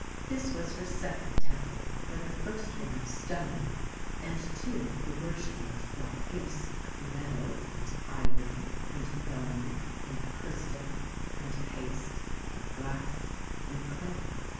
This was her second temple, but her first one of stone, and to it the worshippers brought gifts of metal and ivory and bone and crystal and paste and glass and clay.